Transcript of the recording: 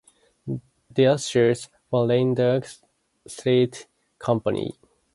"The Ushers" for Rain Dog theatre company.